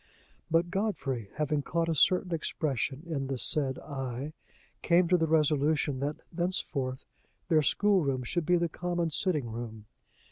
But Godfrey, having caught a certain expression in the said eye, came to the resolution that thenceforth their schoolroom should be the common sitting room.